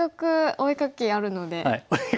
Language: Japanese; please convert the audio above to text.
お絵描きあるので。